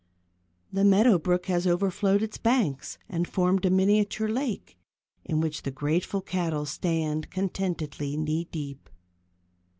The meadow brook has overflowed its banks, and formed a miniature lake, in which the grateful cattle stand contentedly knee deep.